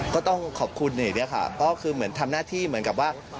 ก็ต้องขอบคุณอย่างนี้ค่ะก็คือเหมือนทำหน้าที่เหมือนกับว่า